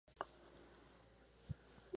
La Fosse-Corduan